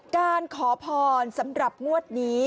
การขอพรสำหรับงวดนี้